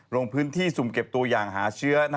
ลงพื้นที่สุ่มเก็บตัวอย่างหาเชื้อ